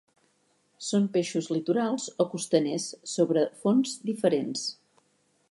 Són peixos litorals o costaners sobre fons diferents.